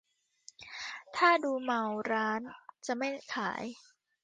ถ้าดูเมาร้านจะไม่ขาย